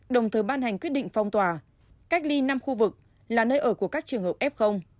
đồng thời ban hành quyết định phong tỏa cách ly năm khu vực là nơi ở của các trường hợp f